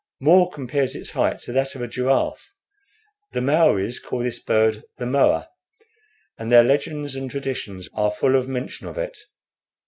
More compares its height to that of a giraffe. The Maoris call this bird the Moa, and their legends and traditions are full of mention of it.